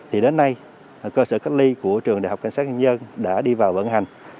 thì đến nay cơ sở cách ly của trường đại học cảnh sát nhân dân đã đi vào vận hành